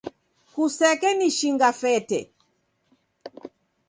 Kusekenishinga fete.